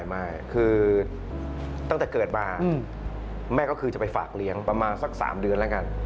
ไม่คือตั้งแต่เกิดมาแม่ก็คือจะไปฝากเลี้ยงประมาณสัก๓เดือนแล้วกัน